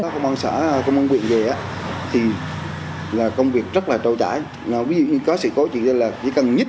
các công an xã công an quyền về thì là công việc rất là trâu trải nếu có sự cố chuyện thì chỉ cần nhích